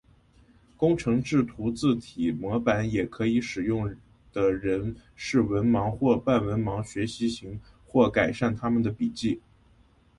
工程制图字体模板也可以使用的人是文盲或半文盲学习型或改善他们的笔迹。